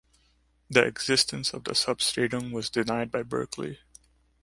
The existence of the substratum was denied by Berkeley.